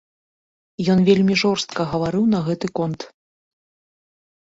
Ён вельмі жорстка гаварыў на гэты конт.